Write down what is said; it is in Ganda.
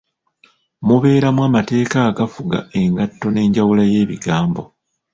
Mubeeramu amateeka agafuga engatta n’enjawula y’ebigambo.